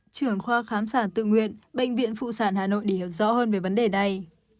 trưởng khoa khám sản tự nguyện bệnh viện phụ sản hà nội để hiểu rõ hơn về vấn đề này